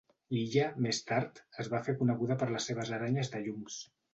L'illa, més tard, es va fer coneguda per les seves aranyes de llums.